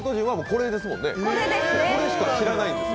これしか知らないんですよ